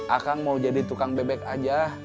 akang mau jadi tukang bebek aja